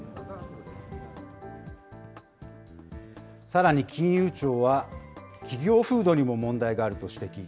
さらに、金融庁は企業風土にも問題があると指摘。